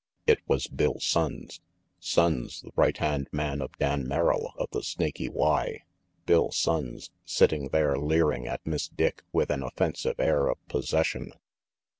It was Bill Sonnes. Sonnes, the right hand man of Dan Merrill, of the Snaky Y. Bill Sonnes, sitting there leering at Miss Dick with an offensive air of possession!